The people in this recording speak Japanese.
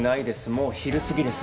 もう昼過ぎです。